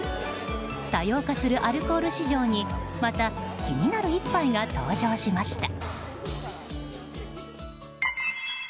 多様化するアルコール市場にまた気になる一杯が登場しました。